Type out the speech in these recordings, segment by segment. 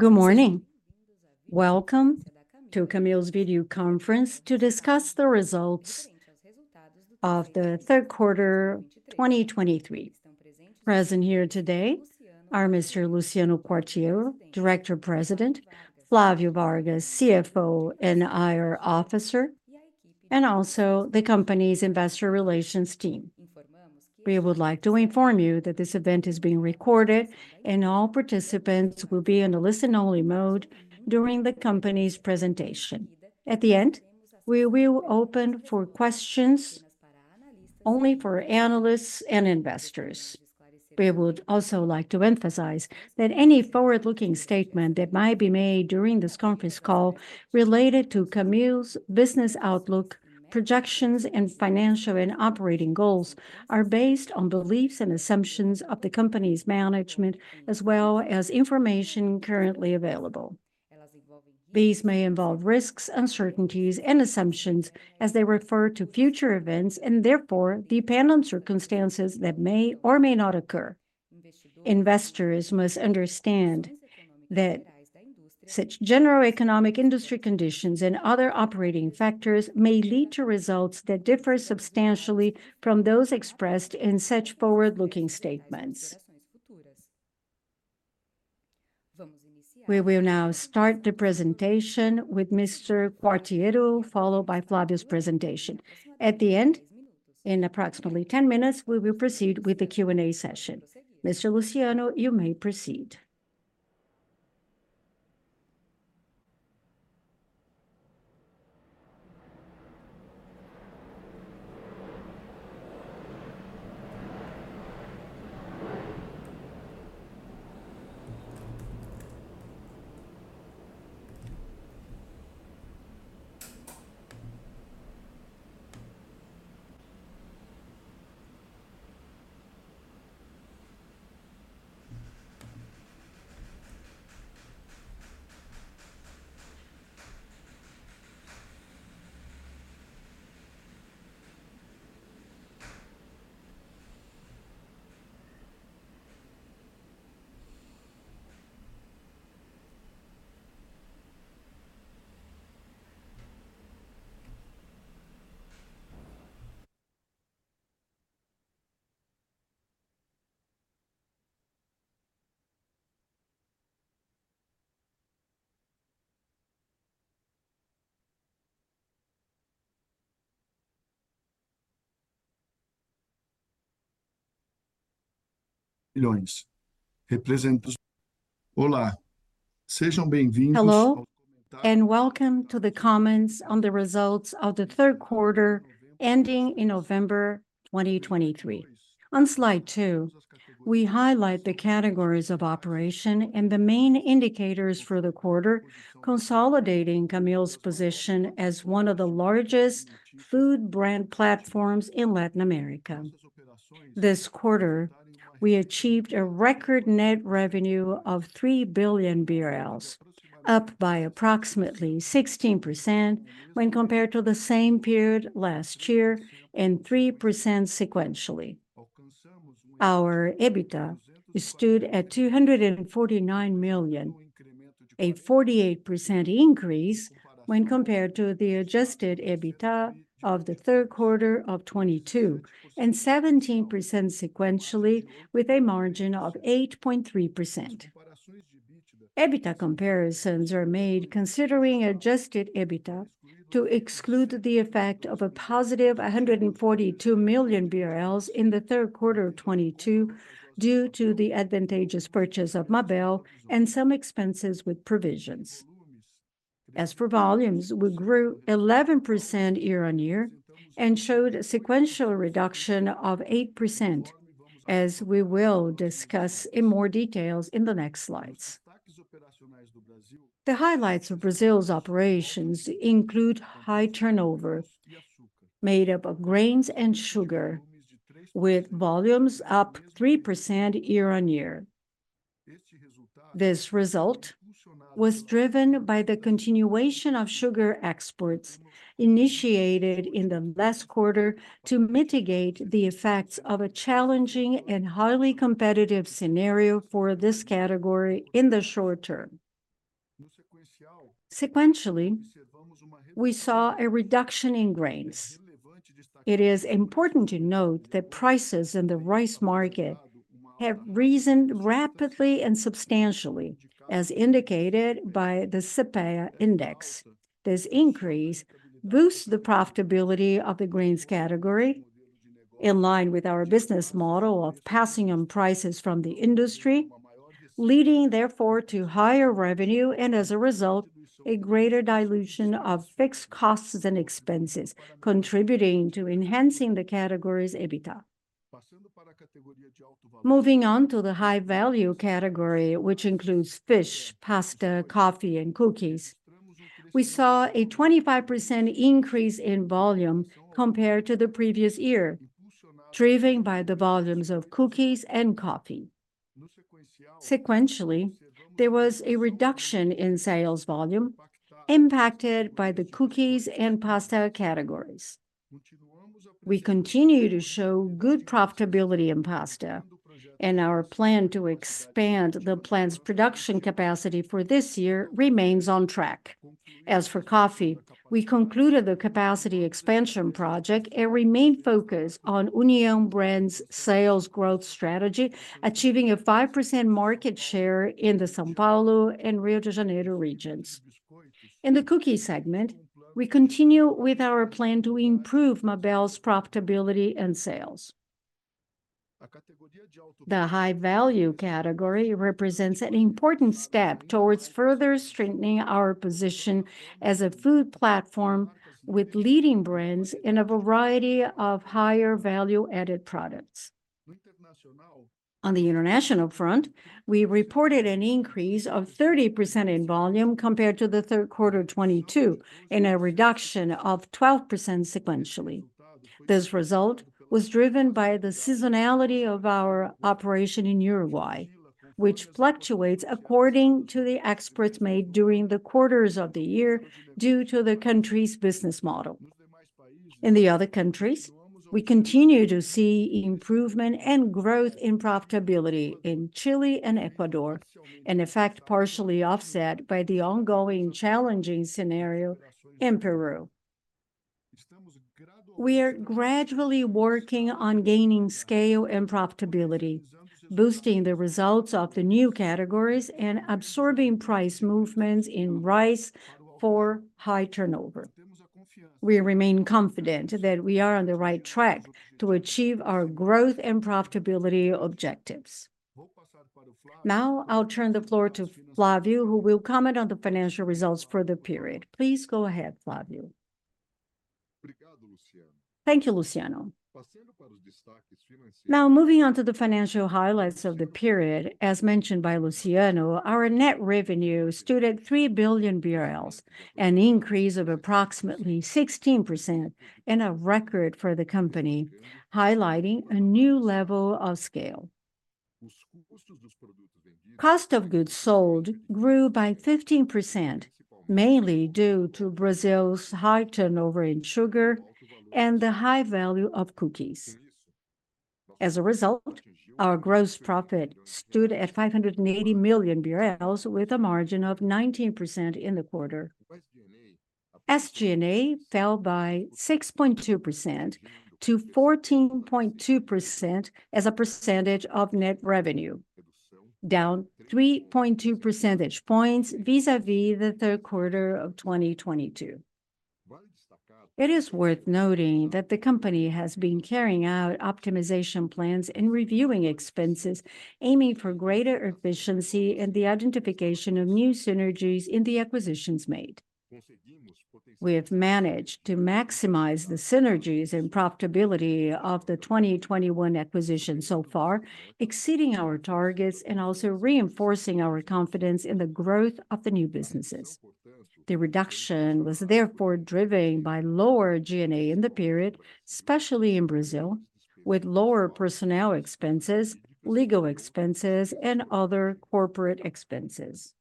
Good morning. Welcome to Camil's video conference to discuss the results of the third quarter 2023. Present here today are Mr. Luciano Quartiero, Director-President; Flavio Vargas, CFO and IR Officer; and also the company's investor relations team. We would like to inform you that this event is being recorded, and all participants will be in a listen-only mode during the company's presentation. At the end, we will open for questions only for analysts and investors. We would also like to emphasize that any forward-looking statement that might be made during this conference call related to Camil's business outlook, projections, and financial and operating goals, are based on beliefs and assumptions of the company's management, as well as information currently available. These may involve risks, uncertainties, and assumptions as they refer to future events, and therefore, depend on circumstances that may or may not occur. Investors must understand that such general economic industry conditions and other operating factors may lead to results that differ substantially from those expressed in such forward-looking statements. We will now start the presentation with Mr. Quartiero, followed by Flavio's presentation. At the end, in approximately 10 minutes, we will proceed with the Q&A session. Mr. Luciano, you may proceed. Hello, and welcome to the comments on the results of the third quarter, ending in November 2023. On slide 2, we highlight the categories of operation and the main indicators for the quarter, consolidating Camil's position as one of the largest food brand platforms in Latin America. This quarter, we achieved a record net revenue of 3 billion BRL, up by approximately 16% when compared to the same period last year, and 3% sequentially. Our EBITDA stood at 249 million, a 48% increase when compared to the adjusted EBITDA of the third quarter of 2022, and 17% sequentially, with a margin of 8.3%. EBITDA comparisons are made considering adjusted EBITDA to exclude the effect of a positive 142 million BRL in the third quarter of 2022, due to the advantageous purchase of Mabel and some expenses with provisions. As for volumes, we grew 11% year-on-year and showed a sequential reduction of 8%, as we will discuss in more details in the next slides. The highlights of Brazil's operations include high turnover, made up of grains and sugar, with volumes up 3% year-on-year. This result was driven by the continuation of sugar exports, initiated in the last quarter to mitigate the effects of a challenging and highly competitive scenario for this category in the short term. Sequentially, we saw a reduction in grains. It is important to note that prices in the rice market have risen rapidly and substantially, as indicated by the CEPEA index. This increase boosts the profitability of the grains category, in line with our business model of passing on prices from the industry, leading therefore to higher revenue, and as a result, a greater dilution of fixed costs and expenses, contributing to enhancing the category's EBITDA. Moving on to the high-value category, which includes fish, pasta, coffee, and cookies, we saw a 25% increase in volume compared to the previous year, driven by the volumes of cookies and coffee. Sequentially, there was a reduction in sales volume, impacted by the cookies and pasta categories. We continue to show good profitability in pasta, and our plan to expand the plant's production capacity for this year remains on track. As for coffee, we concluded the capacity expansion project and remain focused on União brand's sales growth strategy, achieving a 5% market share in the São Paulo and Rio de Janeiro regions. In the cookie segment, we continue with our plan to improve Mabel's profitability and sales. The high-value category represents an important step towards further strengthening our position as a food platform with leading brands in a variety of higher value-added products. On the international front, we reported an increase of 30% in volume compared to the third quarter of 2022, and a reduction of 12% sequentially. This result was driven by the seasonality of our operation in Uruguay, which fluctuates according to the exports made during the quarters of the year due to the country's business model. In the other countries, we continue to see improvement and growth in profitability in Chile and Ecuador, an effect partially offset by the ongoing challenging scenario in Peru. We are gradually working on gaining scale and profitability, boosting the results of the new categories and absorbing price movements in rice for high turnover. We remain confident that we are on the right track to achieve our growth and profitability objectives. Now, I'll turn the floor to Flavio, who will comment on the financial results for the period. Please go ahead, Flavio. Thank you, Luciano. Now, moving on to the financial highlights of the period, as mentioned by Luciano, our net revenue stood at 3 billion BRL, an increase of approximately 16% and a record for the company, highlighting a new level of scale. Cost of goods sold grew by 15%, mainly due to Brazil's high turnover in sugar and the high value of cookies. As a result, our gross profit stood at 580 million BRL, with a margin of 19% in the quarter. SG&A fell by 6.2%-14.2% as a percentage of net revenue, down 3.2 percentage points vis-a-vis the third quarter of 2022. It is worth noting that the company has been carrying out optimization plans and reviewing expenses, aiming for greater efficiency and the identification of new synergies in the acquisitions made. We have managed to maximize the synergies and profitability of the 2021 acquisition so far, exceeding our targets and also reinforcing our confidence in the growth of the new businesses. The reduction was therefore driven by lower G&A in the period, especially in Brazil, with lower personnel expenses, legal expenses, and other corporate expenses.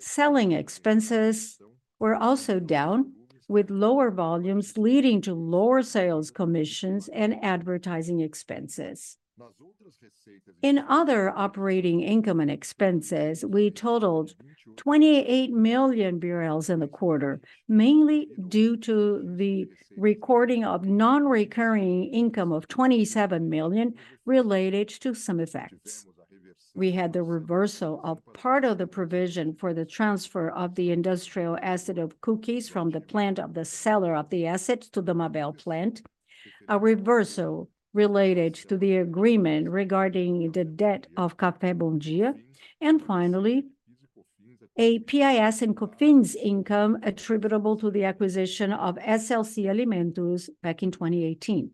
Selling expenses were also down, with lower volumes leading to lower sales commissions and advertising expenses. In other operating income and expenses, we totaled 28 million BRL in the quarter, mainly due to the recording of non-recurring income of 27 million related to some effects. We had the reversal of part of the provision for the transfer of the industrial asset of cookies from the plant of the seller of the asset to the Mabel plant, a reversal related to the agreement regarding the debt of Café Bom Dia, and finally, a PIS and COFINS income attributable to the acquisition of SLC Alimentos back in 2018.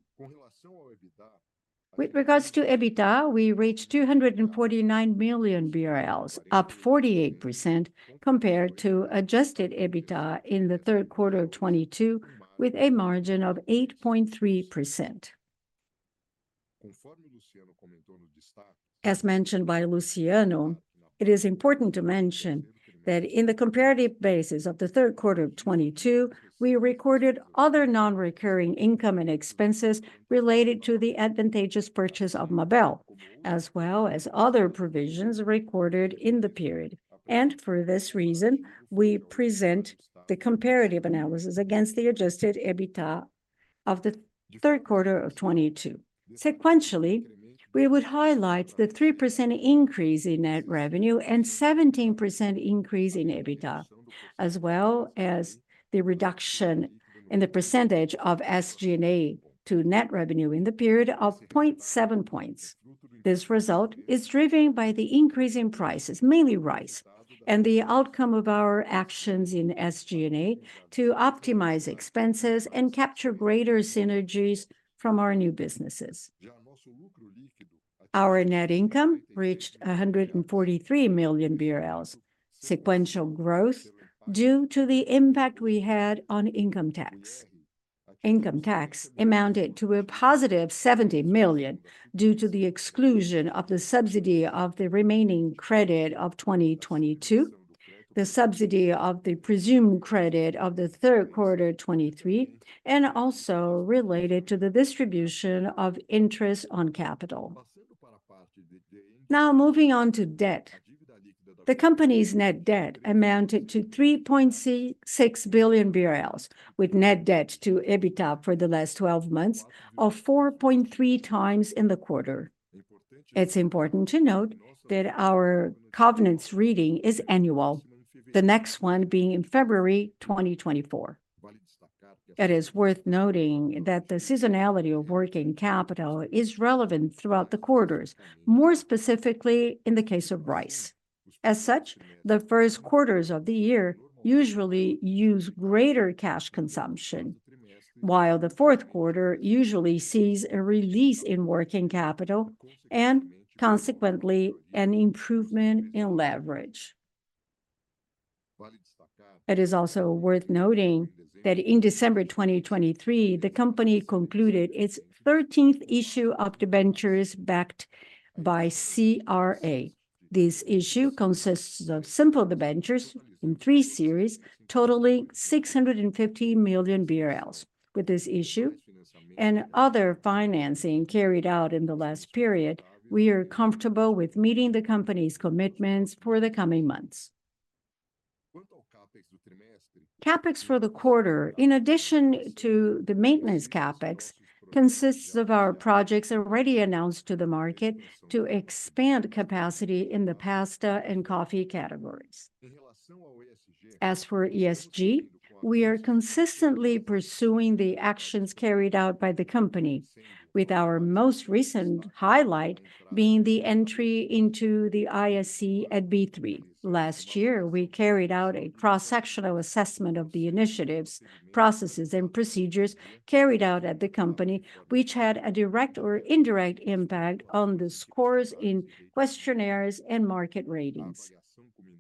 With regards to EBITDA, we reached 249 million BRL, up 48% compared to adjusted EBITDA in the third quarter of 2022, with a margin of 8.3%. As mentioned by Luciano, it is important to mention that in the comparative basis of the third quarter of 2022, we recorded other non-recurring income and expenses related to the advantageous purchase of Mabel, as well as other provisions recorded in the period. For this reason, we present the comparative analysis against the adjusted EBITDA of the third quarter of 2022. Sequentially, we would highlight the 3% increase in net revenue and 17% increase in EBITDA, as well as the reduction in the percentage of SG&A to net revenue in the period of 0.7 points. This result is driven by the increase in prices, mainly rice, and the outcome of our actions in SG&A to optimize expenses and capture greater synergies from our new businesses. Our net income reached 143 million BRL, sequential growth due to the impact we had on income tax. Income tax amounted to a positive 70 million due to the exclusion of the subsidy of the remaining credit of 2022, the subsidy of the presumed credit of the third quarter 2023, and also related to the distribution of interest on capital. Now moving on to debt. The company's net debt amounted to 3.66 billion BRL, with net debt to EBITDA for the last 12 months of 4.3 times in the quarter. It's important to note that our covenants reading is annual, the next one being in February 2024. It is worth noting that the seasonality of working capital is relevant throughout the quarters, more specifically in the case of rice. As such, the first quarters of the year usually use greater cash consumption, while the fourth quarter usually sees a release in working capital and consequently, an improvement in leverage. It is also worth noting that in December 2023, the company concluded its 13th issue of debentures backed by CRA. This issue consists of simple debentures in three series, totaling 650 million BRL. With this issue and other financing carried out in the last period, we are comfortable with meeting the company's commitments for the coming months. CapEx for the quarter, in addition to the maintenance CapEx, consists of our projects already announced to the market to expand capacity in the pasta and coffee categories. As for ESG, we are consistently pursuing the actions carried out by the company, with our most recent highlight being the entry into the ISE at B3. Last year, we carried out a cross-sectional assessment of the initiatives, processes, and procedures carried out at the company, which had a direct or indirect impact on the scores in questionnaires and market ratings.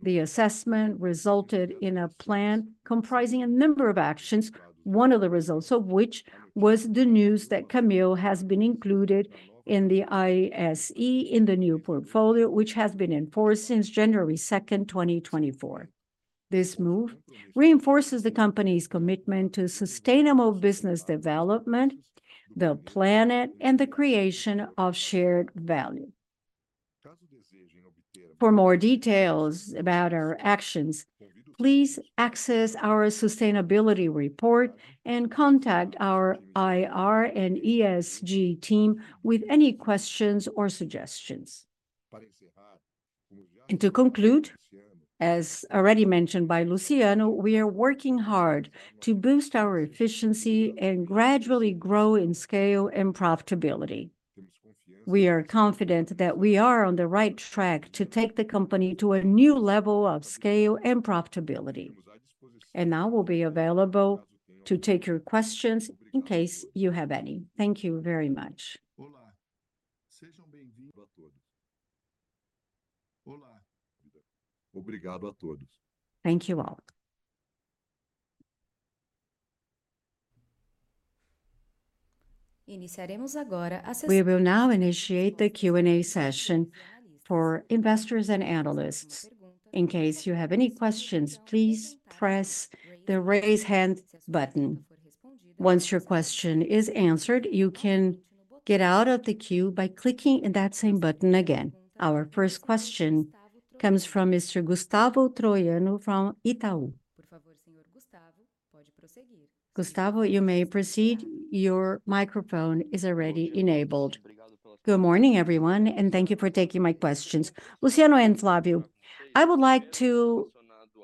The assessment resulted in a plan comprising a number of actions, one of the results of which was the news that Camil has been included in the ISE in the new portfolio, which has been in force since January 2nd, 2024. This move reinforces the company's commitment to sustainable business development, the planet, and the creation of shared value. For more details about our actions, please access our sustainability report and contact our IR and ESG team with any questions or suggestions. To conclude, as already mentioned by Luciano, we are working hard to boost our efficiency and gradually grow in scale and profitability. We are confident that we are on the right track to take the company to a new level of scale and profitability, and I will be available to take your questions in case you have any. Thank you very much. Thank you all. We will now initiate the Q&A session for investors and analysts. In case you have any questions, please press the Raise Hand button. Once your question is answered, you can get out of the queue by clicking that same button again. Our first question comes from Mr. Gustavo Troyano from Itaú. Gustavo, you may proceed. Your microphone is already enabled. Good morning, everyone, and thank you for taking my questions. Luciano and Flavio, I would like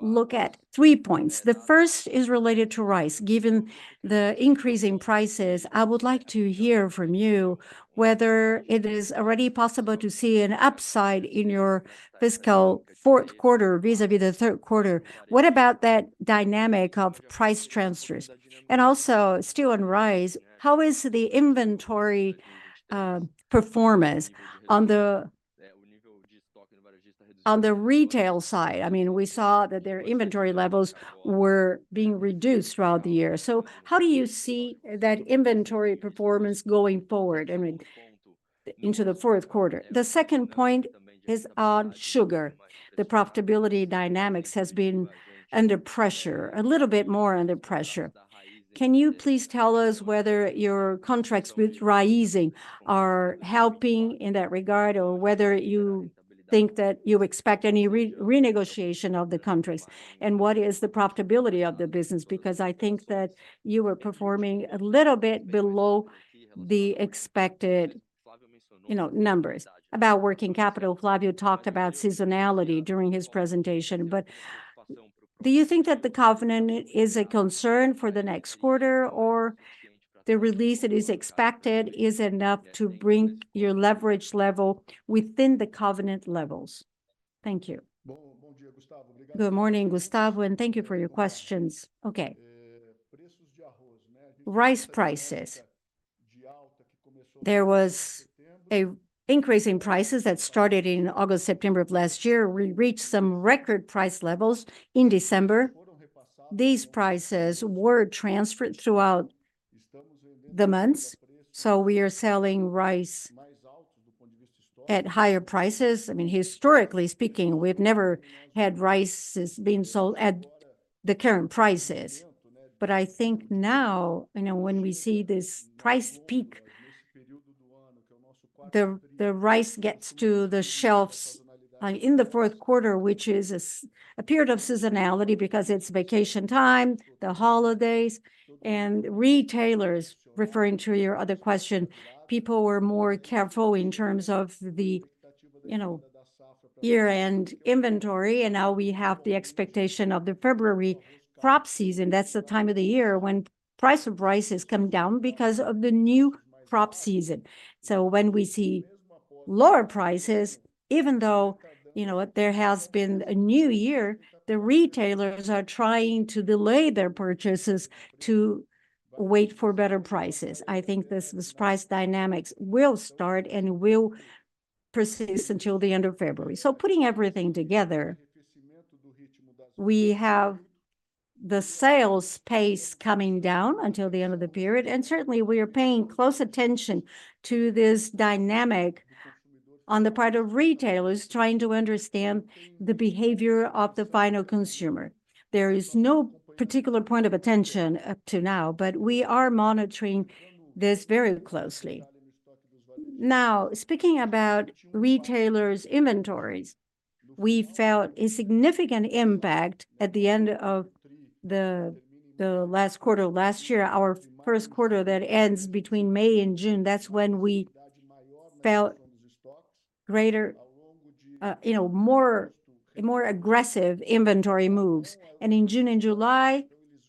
to look at three points. The first is related to rice. Given the increase in prices, I would like to hear from you whether it is already possible to see an upside in your fiscal fourth quarter, vis-à-vis the third quarter. What about that dynamic of price transfers? And also, still on rice, how is the inventory performance on the retail side? I mean, we saw that their inventory levels were being reduced throughout the year. So how do you see that inventory performance going forward, I mean, into the fourth quarter? The second point is on sugar. The profitability dynamics has been under pressure, a little bit more under pressure. Can you please tell us whether your contracts with Raízen are helping in that regard, or whether you think that you expect any renegotiation of the contracts? And what is the profitability of the business? Because I think that you were performing a little bit below the expected, you know, numbers. About working capital, Flavio talked about seasonality during his presentation, but do you think that the covenant is a concern for the next quarter, or the release that is expected is enough to bring your leverage level within the covenant levels? Thank you. Good morning, Gustavo, and thank you for your questions. Okay. Rice prices. There was an increase in prices that started in August, September of last year. We reached some record price levels in December. These prices were transferred throughout the months, so we are selling rice at higher prices. I mean, historically speaking, we've never had rice as being sold at the current prices. But I think now, you know, when we see this price peak, the rice gets to the shelves in the fourth quarter, which is a period of seasonality because it's vacation time, the holidays, and retailers, referring to your other question, people were more careful in terms of the, you know, year-end inventory, and now we have the expectation of the February crop season. That's the time of the year when price of rice has come down because of the new crop season. So when we see lower prices, even though, you know, there has been a new year, the retailers are trying to delay their purchases to wait for better prices. I think this price dynamics will start and will persist until the end of February. So putting everything together, we have the sales pace coming down until the end of the period, and certainly we are paying close attention to this dynamic on the part of retailers trying to understand the behavior of the final consumer. There is no particular point of attention up to now, but we are monitoring this very closely. Now, speaking about retailers' inventories, we felt a significant impact at the end of the last quarter of last year. Our first quarter that ends between May and June, that's when we felt greater, you know, more, more aggressive inventory moves. In June and July,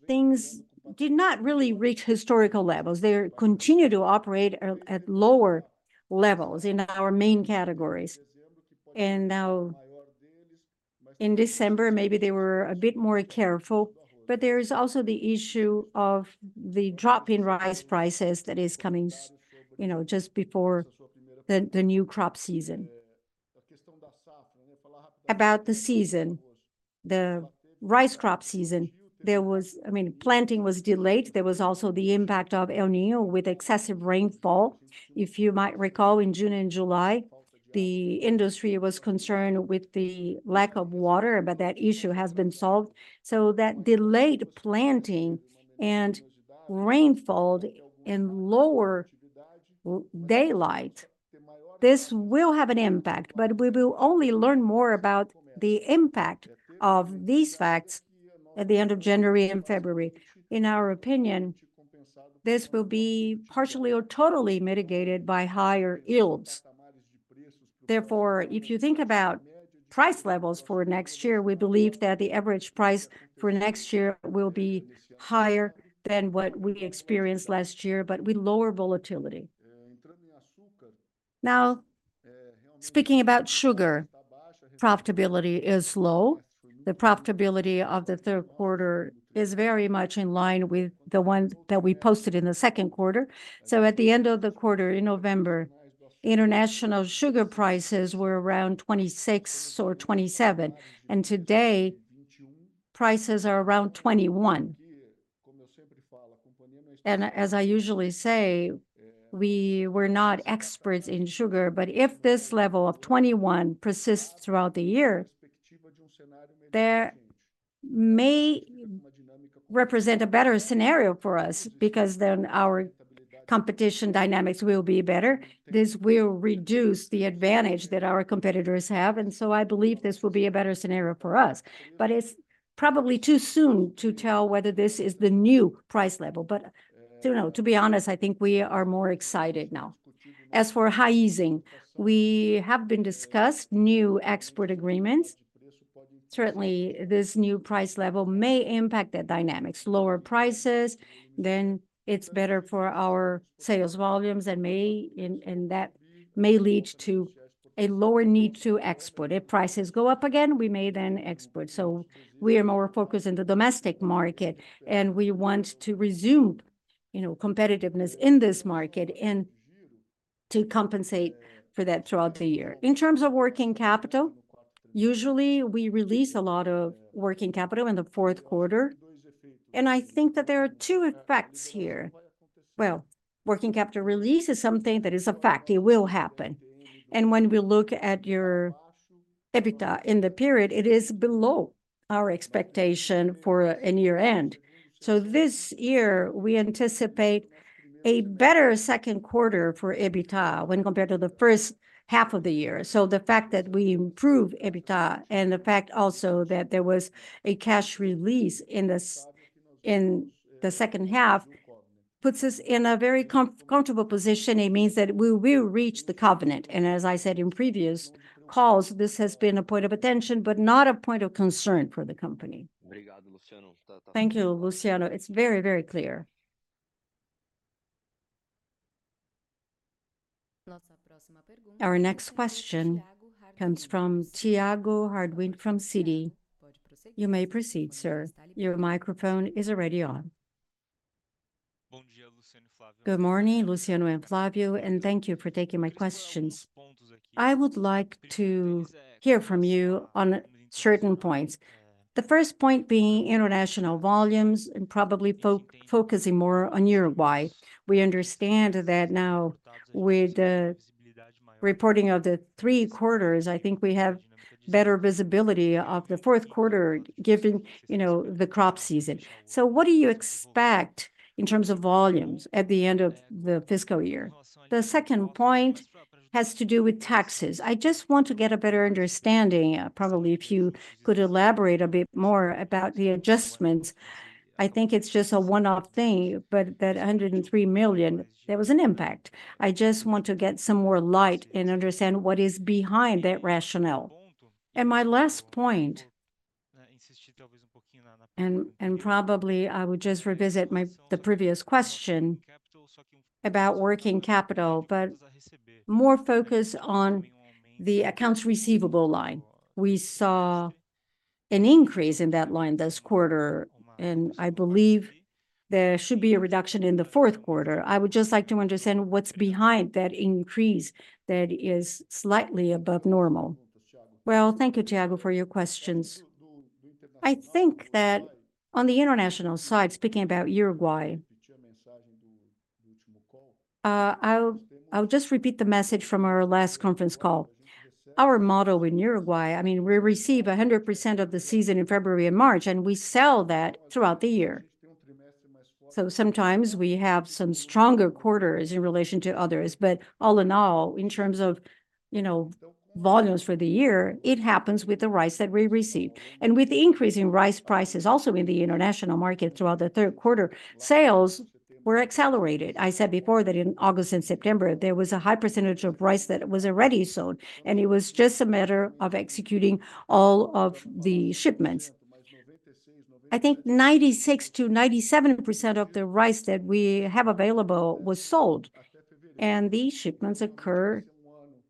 things did not really reach historical levels. They continue to operate at lower levels in our main categories. Now, in December, maybe they were a bit more careful, but there is also the issue of the drop in rice prices that is coming, you know, just before the new crop season. About the season, the rice crop season, I mean, planting was delayed. There was also the impact of El Niño with excessive rainfall. If you might recall, in June and July, the industry was concerned with the lack of water, but that issue has been solved. So that delayed planting and rainfall and lower daylight, this will have an impact, but we will only learn more about the impact of these facts at the end of January and February. In our opinion, this will be partially or totally mitigated by higher yields. Therefore, if you think about price levels for next year, we believe that the average price for next year will be higher than what we experienced last year, but with lower volatility. Now, speaking about sugar, profitability is low. The profitability of the third quarter is very much in line with the one that we posted in the second quarter. So at the end of the quarter, in November, international sugar prices were around $26 or $27, and today prices are around $21. As I usually say, we were not experts in sugar, but if this level of 21 persists throughout the year, there may represent a better scenario for us because then our competition dynamics will be better. This will reduce the advantage that our competitors have, and so I believe this will be a better scenario for us. But it's probably too soon to tell whether this is the new price level, but you know, to be honest, I think we are more excited now. As for rice, we have discussed new export agreements. Certainly, this new price level may impact the dynamics. Lower prices, then it's better for our sales volumes and that may lead to a lower need to export. If prices go up again, we may then export. So we are more focused in the domestic market, and we want to resume, you know, competitiveness in this market and to compensate for that throughout the year. In terms of working capital, usually we release a lot of working capital in the fourth quarter, and I think that there are two effects here. Well, working capital release is something that is a fact, it will happen. And when we look at your EBITDA in the period, it is below our expectation for a year-end. So this year, we anticipate a better second quarter for EBITDA when compared to the first half of the year. So the fact that we improve EBITDA and the fact also that there was a cash release in this, in the second half, puts us in a very comfortable position. It means that we will reach the covenant, and as I said in previous calls, this has been a point of attention, but not a point of concern for the company. Thank you, Luciano. It's very, very clear. Our next question comes from Tiago Harduim from Citi. You may proceed, sir. Your microphone is already on. Good morning, Luciano and Flavio, and thank you for taking my questions. I would like to hear from you on certain points. The first point being international volumes and probably focusing more on Uruguay. We understand that now with the reporting of the three quarters, I think we have better visibility of the fourth quarter, given, you know, the crop season. So what do you expect in terms of volumes at the end of the fiscal year? The second point has to do with taxes. I just want to get a better understanding, probably if you could elaborate a bit more about the adjustments. I think it's just a one-off thing, but that 103 million, there was an impact. I just want to get some more light and understand what is behind that rationale. And my last point, and, and probably I would just revisit my, the previous question about working capital, but more focused on the accounts receivable line. We saw an increase in that line this quarter, and I believe there should be a reduction in the fourth quarter. I would just like to understand what's behind that increase that is slightly above normal. Well, thank you, Thiago, for your questions. I think that on the international side, speaking about Uruguay, I'll, I'll just repeat the message from our last conference call. Our model in Uruguay, I mean, we receive 100% of the season in February and March, and we sell that throughout the year. So sometimes we have some stronger quarters in relation to others. But all in all, in terms of, you know, volumes for the year, it happens with the rice that we receive. And with the increase in rice prices also in the international market throughout the third quarter, sales were accelerated. I said before that in August and September, there was a high percentage of rice that was already sold, and it was just a matter of executing all of the shipments. I think 96%-97% of the rice that we have available was sold, and these shipments occur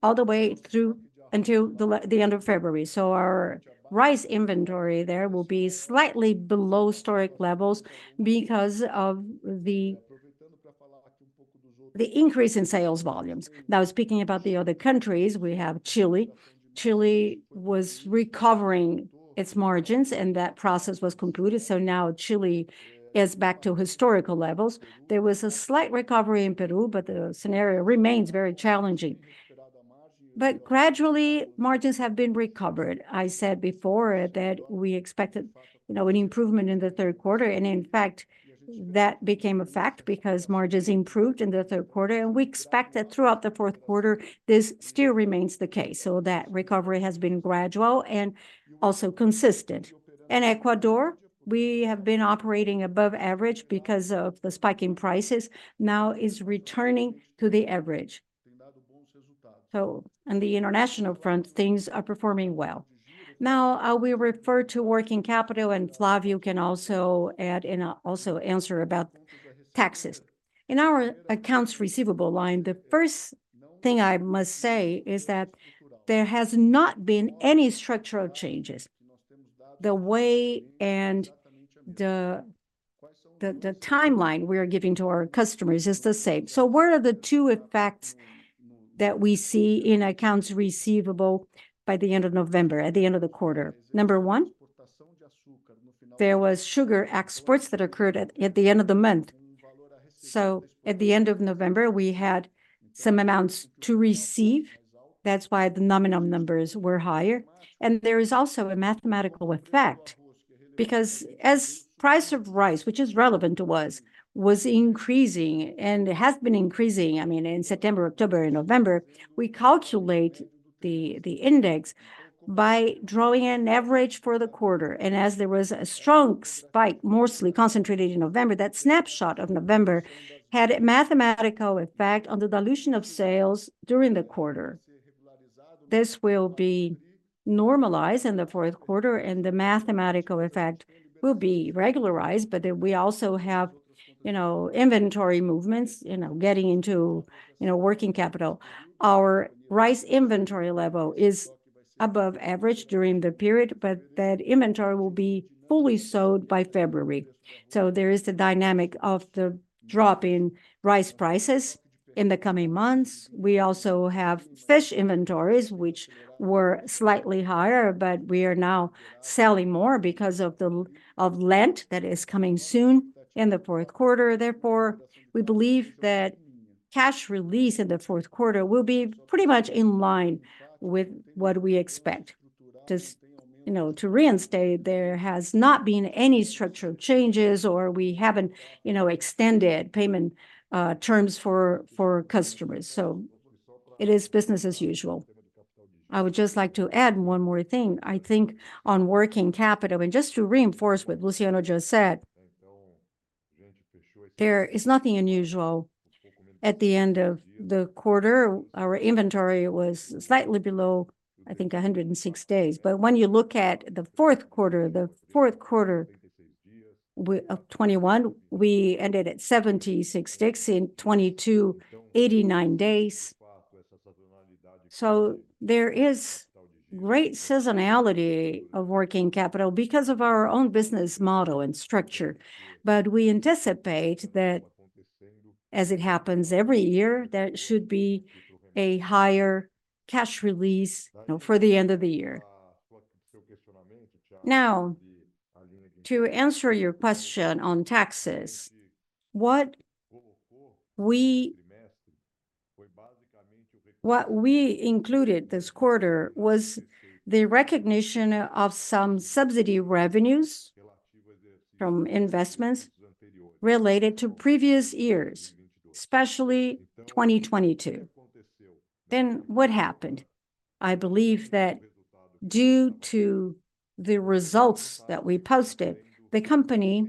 all the way through until the end of February. So our rice inventory there will be slightly below historic levels because of the increase in sales volumes. Now, speaking about the other countries, we have Chile. Chile was recovering its margins, and that process was concluded, so now Chile is back to historical levels. There was a slight recovery in Peru, but the scenario remains very challenging. But gradually, margins have been recovered. I said before that we expected, you know, an improvement in the third quarter, and in fact, that became a fact because margins improved in the third quarter. And we expect that throughout the fourth quarter, this still remains the case, so that recovery has been gradual and also consistent. In Ecuador, we have been operating above average because of the spike in prices, now is returning to the average. So on the international front, things are performing well. Now, I will refer to working capital, and Flavio can also add and also answer about taxes. In our accounts receivable line, the first thing I must say is that there has not been any structural changes. The way and the timeline we are giving to our customers is the same. So what are the two effects that we see in accounts receivable by the end of November, at the end of the quarter? Number one, there was sugar exports that occurred at the end of the month. So at the end of November, we had some amounts to receive. That's why the nominal numbers were higher. There is also a mathematical effect, because as price of rice, which is relevant to us, was increasing and has been increasing, I mean, in September, October, and November, we calculate the index by drawing an average for the quarter. As there was a strong spike, mostly concentrated in November, that snapshot of November had a mathematical effect on the dilution of sales during the quarter. This will be normalized in the fourth quarter, and the mathematical effect will be regularized. But then we also have, you know, inventory movements, you know, getting into, you know, working capital. Our rice inventory level is above average during the period, but that inventory will be fully sold by February. There is the dynamic of the drop in rice prices in the coming months. We also have fish inventories, which were slightly higher, but we are now selling more because of Lent that is coming soon in the fourth quarter. Therefore, we believe that cash release in the fourth quarter will be pretty much in line with what we expect. Just, you know, to reinstate, there has not been any structural changes, or we haven't, you know, extended payment terms for customers, so it is business as usual. I would just like to add one more thing. I think on working capital, and just to reinforce what Luciano just said, there is nothing unusual at the end of the quarter. Our inventory was slightly below, I think, 106 days. But when you look at the fourth quarter, the fourth quarter of 2021, we ended at 76 days, in 2022, 89 days. So there is great seasonality of working capital because of our own business model and structure. But we anticipate that, as it happens every year, there should be a higher cash release, you know, for the end of the year. Now, to answer your question on taxes, what we included this quarter was the recognition of some subsidy revenues from investments related to previous years, especially 2022. Then what happened? I believe that due to the results that we posted, the company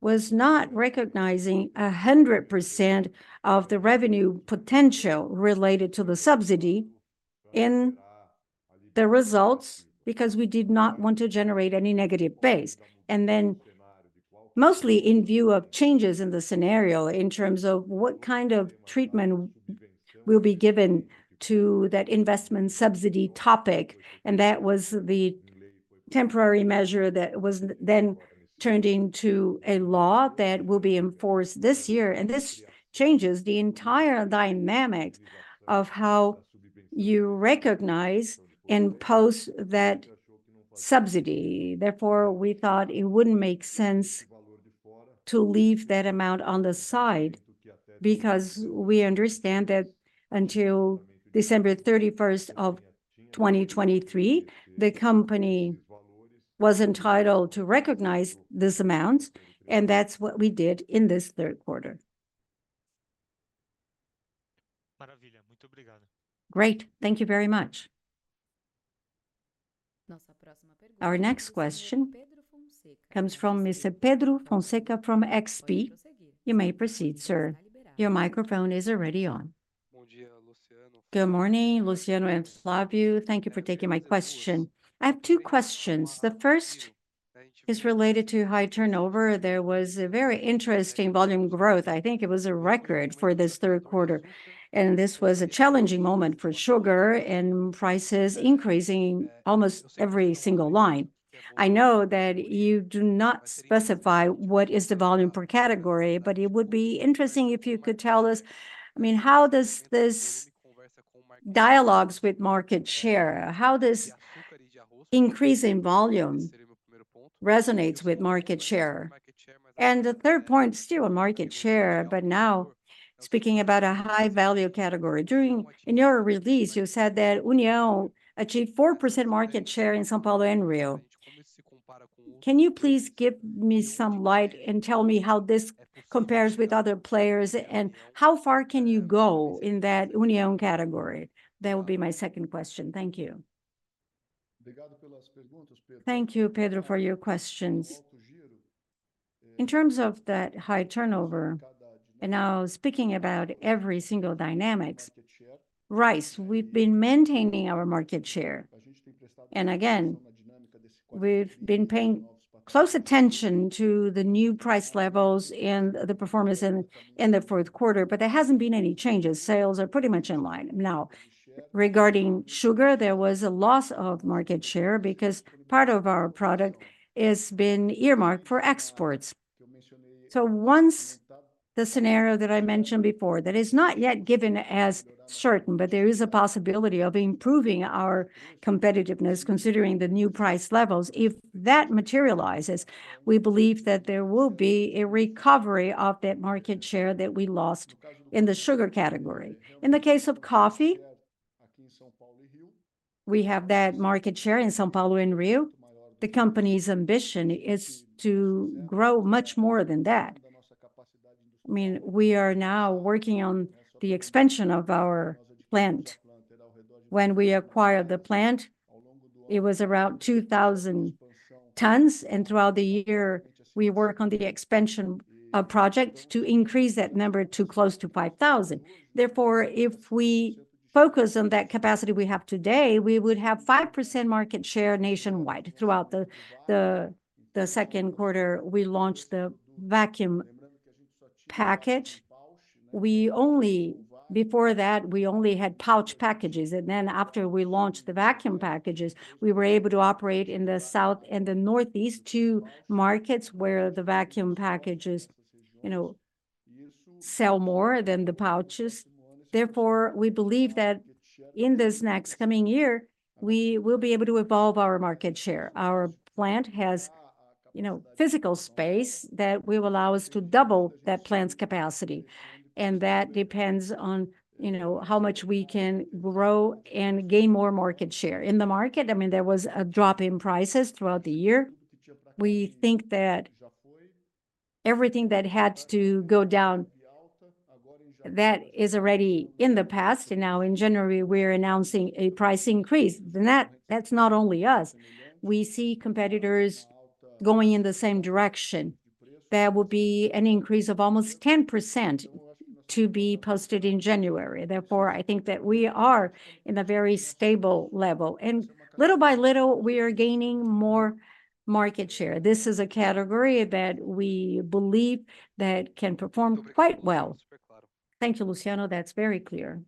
was not recognizing 100% of the revenue potential related to the subsidy in the results, because we did not want to generate any negative base. And then, mostly in view of changes in the scenario, in terms of what kind of treatment will be given to that investment subsidy topic, and that was the temporary measure that was then turned into a law that will be enforced this year. And this changes the entire dynamic of how you recognize and post that subsidy. Therefore, we thought it wouldn't make sense to leave that amount on the side, because we understand that until December 31st, 2023, the company was entitled to recognize this amount, and that's what we did in this third quarter. Great. Thank you very much. Our next question comes from Mr. Pedro Fonseca from XP. You may proceed, sir. Your microphone is already on. Good morning, Luciano and Flavio. Thank you for taking my question. I have two questions. The first is related to high turnover. There was a very interesting volume growth. I think it was a record for this third quarter, and this was a challenging moment for sugar and prices increasing almost every single line. I know that you do not specify what is the volume per category, but it would be interesting if you could tell us, I mean, how does this dialogues with market share? How this increase in volume resonates with market share? And the third point, still on market share, but now speaking about a high-value category. In your release, you said that União achieved 4% market share in São Paulo and Rio. Can you please give me some light and tell me how this compares with other players, and how far can you go in that União category? That will be my second question. Thank you. Thank you, Pedro, for your questions. In terms of that high turnover, and now speaking about every single dynamics, rice, we've been maintaining our market share. And again, we've been paying close attention to the new price levels and the performance in the fourth quarter, but there hasn't been any changes. Sales are pretty much in line. Now, regarding sugar, there was a loss of market share because part of our product is been earmarked for exports. So once the scenario that I mentioned before, that is not yet given as certain, but there is a possibility of improving our competitiveness, considering the new price levels, if that materializes, we believe that there will be a recovery of that market share that we lost in the sugar category. In the case of coffee, we have that market share in São Paulo and Rio. The company's ambition is to grow much more than that. I mean, we are now working on the expansion of our plant. When we acquired the plant, it was around 2,000 tons, and throughout the year, we work on the expansion project to increase that number to close to 5,000. Therefore, if we focus on that capacity we have today, we would have 5% market share nationwide. Throughout the second quarter, we launched the vacuum package. We only... Before that, we only had pouch packages, and then after we launched the vacuum packages, we were able to operate in the south and the northeast, two markets where the vacuum packages, you know, sell more than the pouches. Therefore, we believe that in this next coming year, we will be able to evolve our market share. Our plant has, you know, physical space that will allow us to double that plant's capacity, and that depends on, you know, how much we can grow and gain more market share. In the market, I mean, there was a drop in prices throughout the year. We think that everything that had to go down, that is already in the past, and now in January, we're announcing a price increase. That, that's not only us. We see competitors going in the same direction. There will be an increase of almost 10% to be posted in January. Therefore, I think that we are in a very stable level, and little by little, we are gaining more market share. This is a category that we believe that can perform quite well. Thank you, Luciano. That's very clear.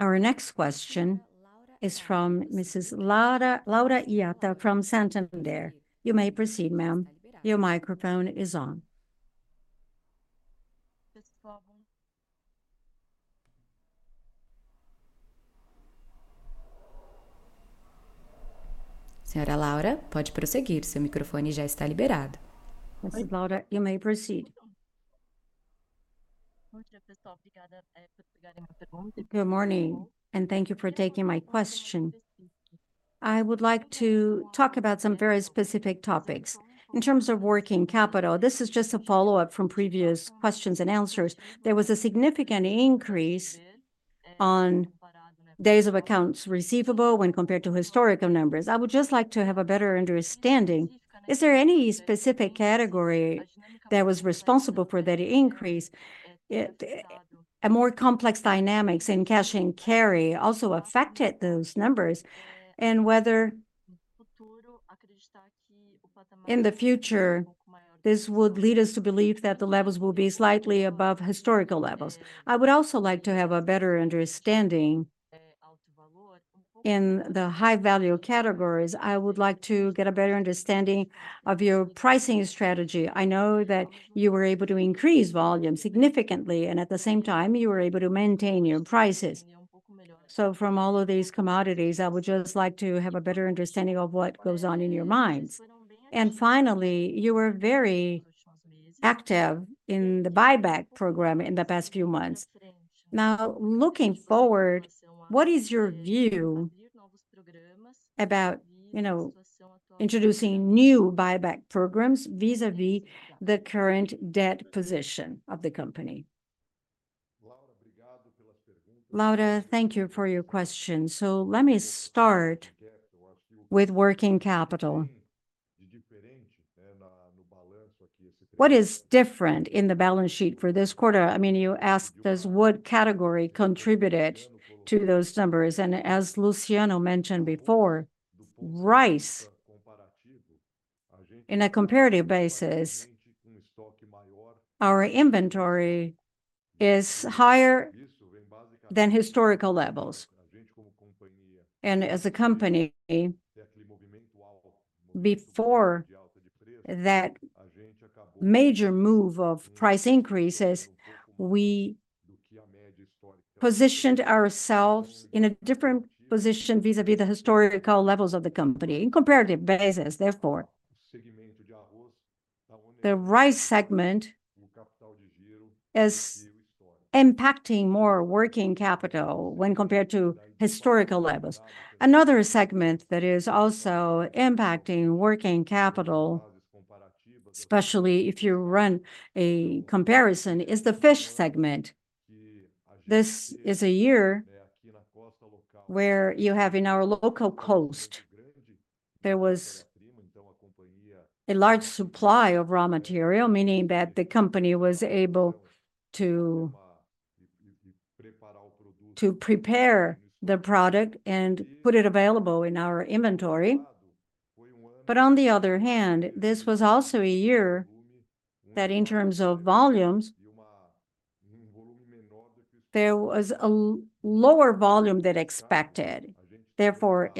Our next question is from Mrs. Laura, Laura Hirata from Santander. You may proceed, ma'am. Your microphone is on. Sra. Laura, pode prosseguir. Seu microfone já está liberado. Mrs. Laura, you may proceed. Good morning, and thank you for taking my question. I would like to talk about some very specific topics. In terms of working capital, this is just a follow-up from previous questions and answers. There was a significant increase on days of accounts receivable when compared to historical numbers. I would just like to have a better understanding. Is there any specific category that was responsible for that increase? A more complex dynamics in cash and carry also affected those numbers, and whether, in the future, this would lead us to believe that the levels will be slightly above historical levels. I would also like to have a better understanding in the high-value categories. I would like to get a better understanding of your pricing strategy. I know that you were able to increase volume significantly, and at the same time, you were able to maintain your prices. So from all of these commodities, I would just like to have a better understanding of what goes on in your minds. And finally, you were very active in the buyback program in the past few months. Now, looking forward, what is your view about, you know, introducing new buyback programs vis-à-vis the current debt position of the company? Laura, thank you for your question. So let me start with working capital. What is different in the balance sheet for this quarter? I mean, you asked us what category contributed to those numbers, and as Luciano mentioned before, rice, in a comparative basis, our inventory is higher than historical levels. And as a company, before that major move of price increases, we positioned ourselves in a different position vis-à-vis the historical levels of the company in comparative basis. Therefore, the rice segment is impacting more working capital when compared to historical levels. Another segment that is also impacting working capital, especially if you run a comparison, is the fish segment. This is a year where you have, in our local coast, there was a large supply of raw material, meaning that the company was able to prepare the product and put it available in our inventory. But on the other hand, this was also a year that, in terms of volumes, there was a lower volume than expected. Therefore,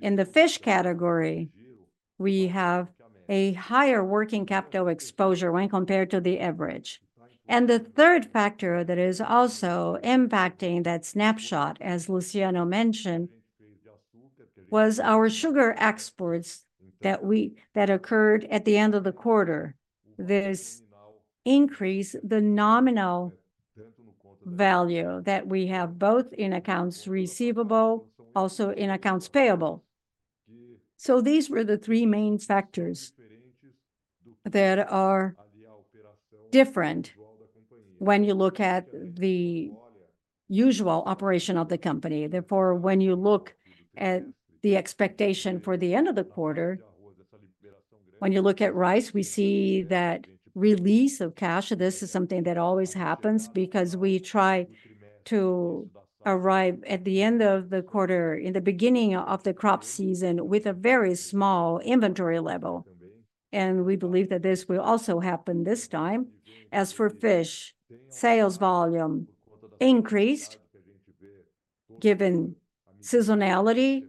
in the fish category, we have a higher working capital exposure when compared to the average. The third factor that is also impacting that snapshot, as Luciano mentioned, was our sugar exports that occurred at the end of the quarter. This increase the nominal value that we have, both in accounts receivable, also in accounts payable. So these were the three main factors that are different when you look at the usual operation of the company. Therefore, when you look at the expectation for the end of the quarter, when you look at rice, we see that release of cash. This is something that always happens because we try to arrive at the end of the quarter, in the beginning of the crop season, with a very small inventory level, and we believe that this will also happen this time. As for fish, sales volume increased, given seasonality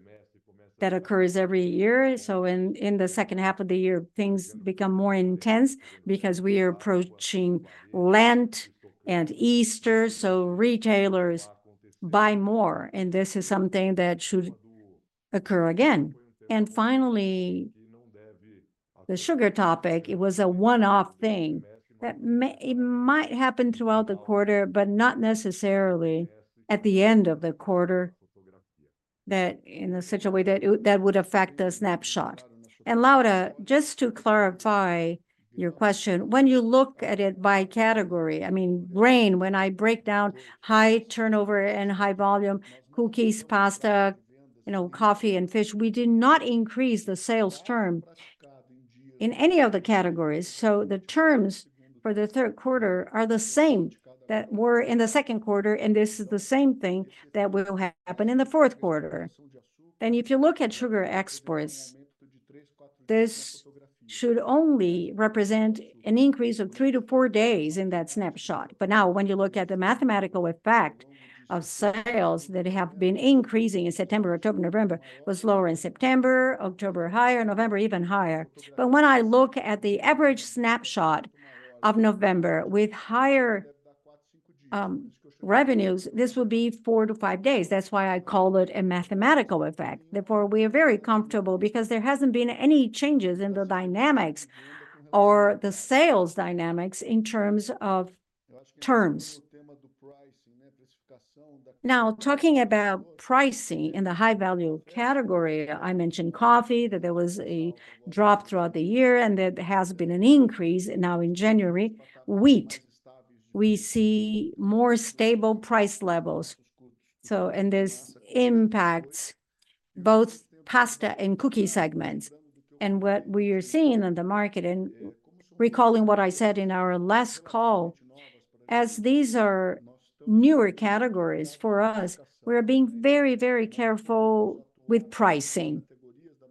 that occurs every year. So in the second half of the year, things become more intense because we are approaching Lent and Easter, so retailers buy more, and this is something that should occur again. And finally, the sugar topic, it was a one-off thing that may, it might happen throughout the quarter, but not necessarily at the end of the quarter, in such a way that would affect the snapshot. Laura, just to clarify your question, when you look at it by category, I mean, grain, when I break down high turnover and high volume, cookies, pasta, you know, coffee and fish, we did not increase the sales term in any of the categories. So the terms for the third quarter are the same that were in the second quarter, and this is the same thing that will happen in the fourth quarter. And if you look at sugar exports, this should only represent an increase of 3-4 days in that snapshot. But now, when you look at the mathematical effect of sales that have been increasing in September, October, November, was lower in September, October, higher, November, even higher. But when I look at the average snapshot of November with higher revenues, this will be four to five days. That's why I called it a mathematical effect. Therefore, we are very comfortable because there hasn't been any changes in the dynamics or the sales dynamics in terms of terms. Now, talking about pricing in the high-value category, I mentioned coffee, that there was a drop throughout the year, and there has been an increase now in January. Wheat, we see more stable price levels, so and this impacts both pasta and cookie segments. What we are seeing in the market, and recalling what I said in our last call, as these are newer categories for us, we're being very, very careful with pricing.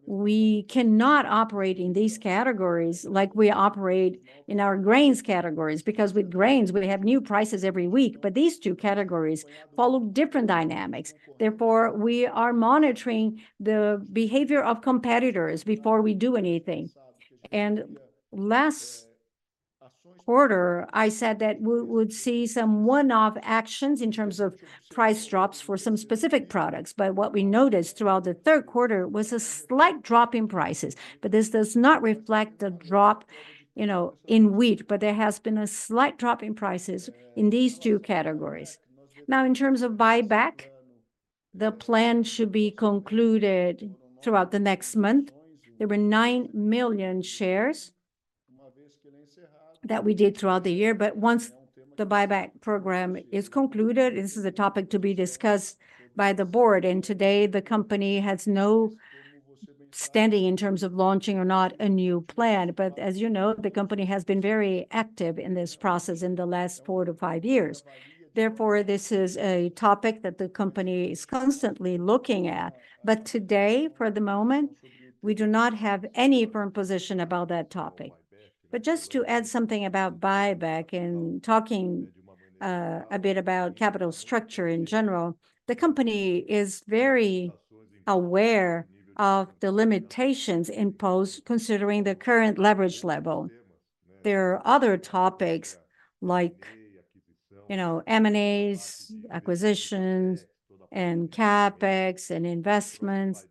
We cannot operate in these categories like we operate in our grains categories, because with grains, we have new prices every week, but these two categories follow different dynamics. Therefore, we are monitoring the behavior of competitors before we do anything. Last quarter, I said that we would see some one-off actions in terms of price drops for some specific products, but what we noticed throughout the third quarter was a slight drop in prices. This does not reflect the drop, you know, in wheat, but there has been a slight drop in prices in these two categories. Now, in terms of buyback, the plan should be concluded throughout the next month. There were 9 million shares that we did throughout the year, but once the buyback program is concluded, this is a topic to be discussed by the board, and today, the company has no standing in terms of launching or not a new plan. But as you know, the company has been very active in this process in the last 4-5 years. Therefore, this is a topic that the company is constantly looking at. But today, for the moment, we do not have any firm position about that topic. But just to add something about buyback and talking a bit about capital structure in general, the company is very aware of the limitations imposed, considering the current leverage level. There are other topics like, you know, M&As, acquisitions, and CapEx, and investments,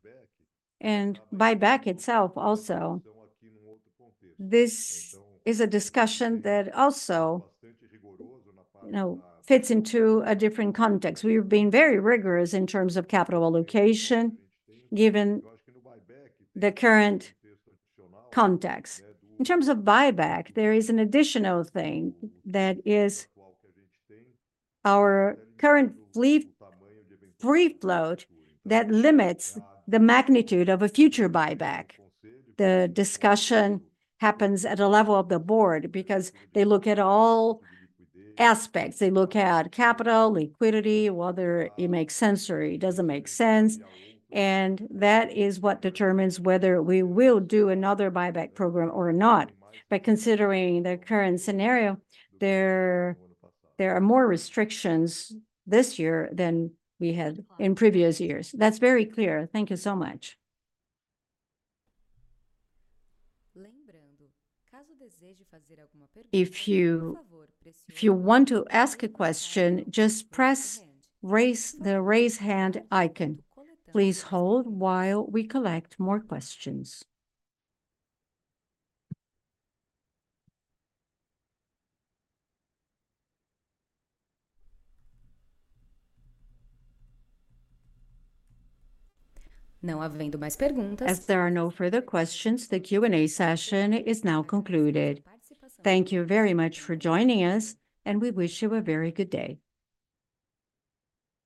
and buyback itself also. This is a discussion that also, you know, fits into a different context. We've been very rigorous in terms of capital allocation, given the current context. In terms of buyback, there is an additional thing, that is our current free float that limits the magnitude of a future buyback. The discussion happens at a level of the board because they look at all aspects. They look at capital, liquidity, whether it makes sense or it doesn't make sense, and that is what determines whether we will do another buyback program or not. But considering the current scenario, there are more restrictions this year than we had in previous years. That's very clear. Thank you so much. If you want to ask a question, just press the Raise Hand icon. Please hold while we collect more questions. As there are no further questions, the Q&A session is now concluded. Thank you very much for joining us, and we wish you a very good day.